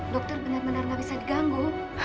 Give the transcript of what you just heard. dokter benar benar gak bisa diganggu